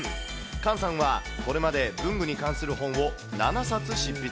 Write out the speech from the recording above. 菅さんは、これまで文具に関する本を７冊執筆。